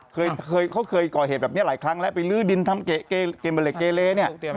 เคยเขาเคยก่อเหตุแบบนี้หลายครั้งแล้วไปลื้อดินทำเกเมล็กเกเลเนี่ย